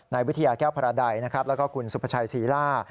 นายวิทยาแก้วพระใดนะครับแล้วก็คุณสุภาชัยศรีล่า